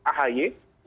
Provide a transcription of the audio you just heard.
ditangkap oleh mas ahy